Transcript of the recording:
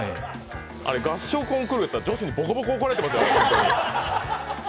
あれ、合唱コンクールやったら、女子にボコボコに怒られてますからね。